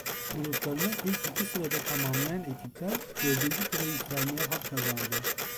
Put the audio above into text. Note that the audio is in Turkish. Gruplarını ilk iki sırada tamamlayan ekipler dördüncü tura yükselmeye hak kazandı.